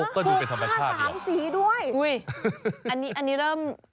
ฮะต้นไม้เป็นธรรมชาติเหรออุ๊ยอันนี้เริ่ม